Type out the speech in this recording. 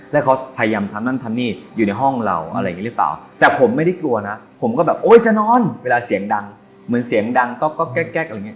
แล้วเขาพยายามทำนั่นทำนี่อยู่ในห้องเราอะไรอย่างงี้หรือเปล่าแต่ผมไม่ได้กลัวนะผมก็แบบโอ๊ยจะนอนเวลาเสียงดังเหมือนเสียงดังก็แก๊กอะไรอย่างเง